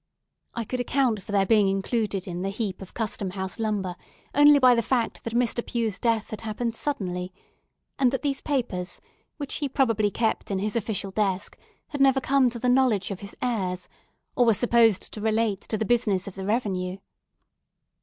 I could account for their being included in the heap of Custom House lumber only by the fact that Mr. Pue's death had happened suddenly, and that these papers, which he probably kept in his official desk, had never come to the knowledge of his heirs, or were supposed to relate to the business of the revenue.